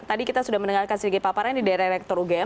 tadi kita sudah mendengarkan sedikit paparan di daerah rektor ugm